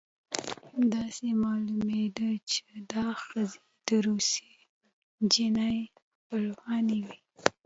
داسې معلومېده چې دا ښځې د روسۍ نجلۍ خپلوانې وې